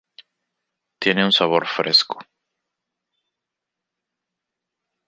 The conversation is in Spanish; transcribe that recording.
Tiene un sabor fresco.